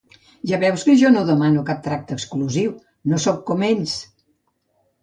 Ja veus que jo no demano cap tracte exclusiu, no sóc com ells!